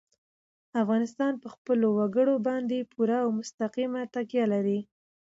افغانستان په خپلو وګړي باندې پوره او مستقیمه تکیه لري.